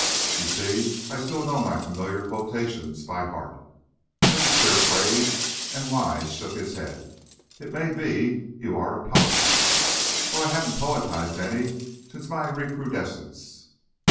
You see, I still know my 'Familiar Quotations' by heart." "That's a queer phase," and Wise shook his head. "It may be you are a poet " "Well, I haven't poetized any since my recrudescence."